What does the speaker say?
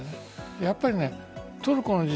やっぱりトルコの地震